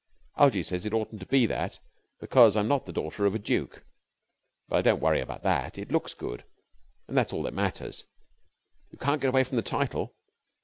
Algie says it oughtn't to be that, because I'm not the daughter of a duke, but I don't worry about that. It looks good, and that's all that matters. You can't get away from the title.